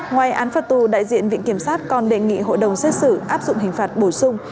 ngoài án phạt tù đại diện viện kiểm sát còn đề nghị hội đồng xét xử áp dụng hình phạt bổ sung